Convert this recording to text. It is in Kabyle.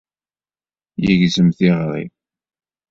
Yegzem tiɣri.